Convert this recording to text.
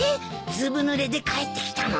ずぶぬれで帰ってきたのに？